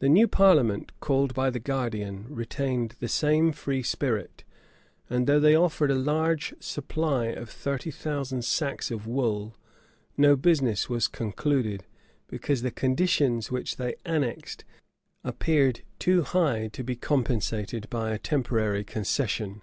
The new parliament, called by the guardian, retained the same free spirit; and though they offered a large supply of thirty thousand sacks of wool, no business was concluded; because the conditions which they annexed appeared too high to be compensated by a temporary concession.